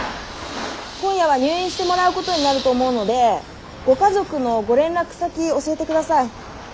今夜は入院してもらうことになると思うのでご家族のご連絡先教えてください。